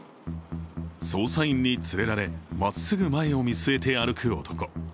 捜査員に連れられ、まっすぐ前を見据えて歩く男。